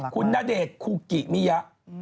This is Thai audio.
คุณณเดชคุกิมียั